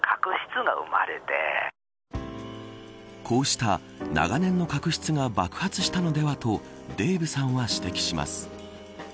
こうした長年の確執が爆発したのではとデーブさんは指摘します。